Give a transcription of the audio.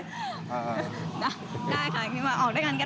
ได้ค่ะออกด้วยกันก็ได้นี่โอเคนะคะ